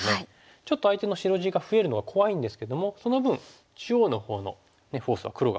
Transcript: ちょっと相手の白地が増えるのが怖いんですけどもその分中央のほうのフォースは黒が有利ですよね。